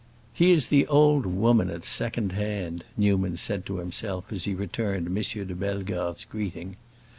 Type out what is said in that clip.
"He is the old woman at second hand," Newman said to himself, as he returned M. de Bellegarde's greeting.